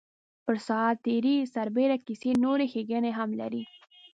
پر ساعت تېرۍ سربېره کیسې نورې ښیګڼې هم لري.